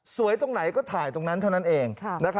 ตรงไหนก็ถ่ายตรงนั้นเท่านั้นเอง